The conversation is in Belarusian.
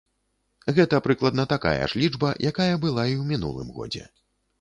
Гэта прыкладна такая ж лічба, якая была і ў мінулым годзе.